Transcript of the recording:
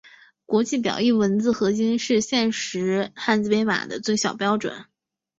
国际表意文字核心是现时汉字编码的最小标准。